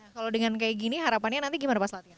kalau dengan kayak gini harapannya nanti gimana pas latihan